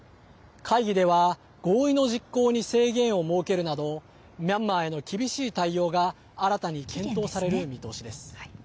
会議では合意の実行に制限を設けるなどミャンマーへの厳しい対応が新たに検討される見通しです。